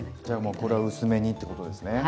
じゃあもうこれは薄めにということですね。